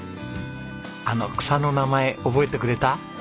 あの草の名前覚えてくれた？